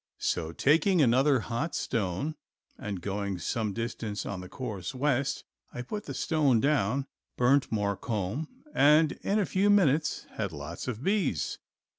So taking another hot stone and going some distance on the course west, I put the stone down, burnt more comb, and in a few minutes had lots of bees.